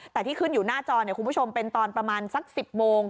แต่ที่ขึ้นอยู่หน้าจอเนี่ยคุณผู้ชมเป็นตอนประมาณสัก๑๐โมง